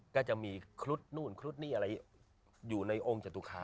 ก็จะมีครุฑนู่นครุฑนี่อะไรอยู่ในองค์จตุคาม